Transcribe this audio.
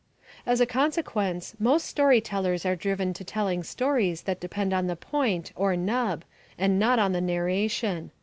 As a consequence most story tellers are driven to telling stories that depend on the point or "nub" and not on the narration.